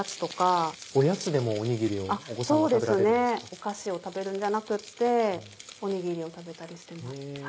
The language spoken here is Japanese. お菓子を食べるんじゃなくっておにぎりを食べたりしてます。